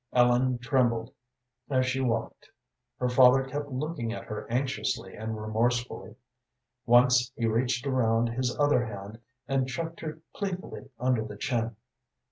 Ellen trembled as she walked. Her father kept looking at her anxiously and remorsefully. Once he reached around his other hand and chucked her playfully under the chin.